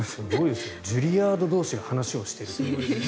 ジュリアード同士がお話をしていると。